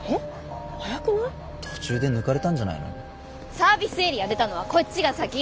サービスエリア出たのはこっちが先。